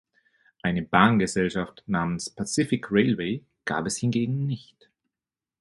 Eine Bahngesellschaft namens "Pacific Railway" gab es hingegen nicht.